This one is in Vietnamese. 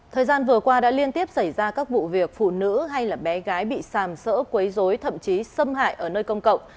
thời gian vừa qua đã liên tiếp xảy ra các vụ việc phụ nữ hay là bé gái bị sàm sỡ quấy dối thậm chí xâm hại ở nơi công cộng